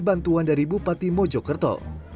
bantuan dari bupati mojokerto